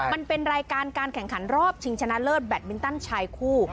มันเป็นรายการการแข่งขันรอบชิงชนะเลิศแบตมินตันชายคู่